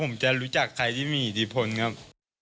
ผมจะรู้จักใครที่มีอิทธิพลครับ